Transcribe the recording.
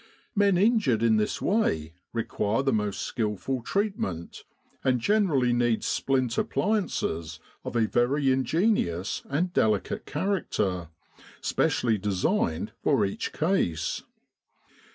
Men injured in this way require the most skilful treatment, and generally need splint appliances of a very ingenious and delicate character, specially de signed for each case.